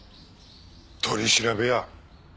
取り調べや。